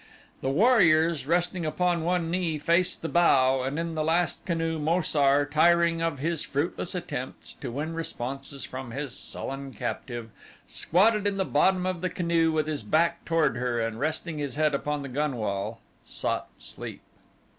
The warriors, resting upon one knee, faced the bow and in the last canoe Mo sar tiring of his fruitless attempts to win responses from his sullen captive, squatted in the bottom of the canoe with his back toward her and resting his head upon the gunwale sought sleep.